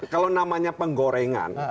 kalau namanya penggorengan